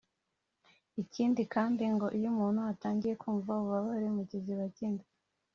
ikindi kandi ngo iyo umuntu atangiye kumva ububabare mu kiziba cy’inda